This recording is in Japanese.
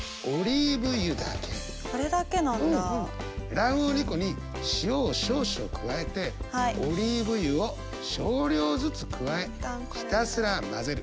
卵黄２コに塩を少々加えてオリーブ油を少量ずつ加えひたすら混ぜる。